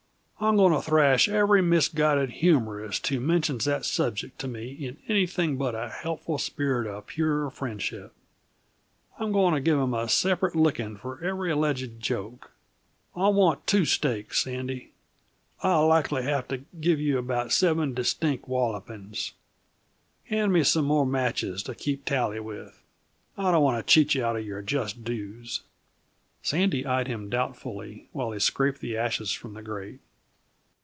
"I'm going to thrash every misguided humorist who mentions that subject to me in anything but a helpful spirit of pure friendship. I'm going to give him a separate licking for every alleged joke. I'll want two steaks, Sandy. I'll likely have to give you about seven distinct wallopings. Hand me some more matches to keep tally with. I don't want to cheat you out of your just dues." Sandy eyed him doubtfully while he scraped the ashes from the grate.